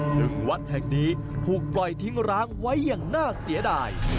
ซึ่งวัดแห่งนี้ถูกปล่อยทิ้งร้างไว้อย่างน่าเสียดาย